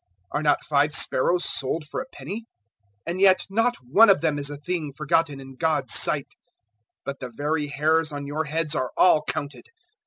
012:006 Are not five sparrows sold for a penny? and yet not one of them is a thing forgotten in God's sight. 012:007 But the very hairs on your heads are all counted.